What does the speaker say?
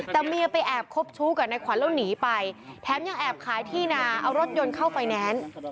แต่เมียไปแอบคบชู้กับนายขวัญแล้วหนีไปแถมยังแอบขายที่นาเอารถยนต์เข้าไฟแนนซ์